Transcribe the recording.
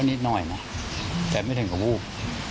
นิดหน่อยนะแต่ไม่ถึงกับวูบ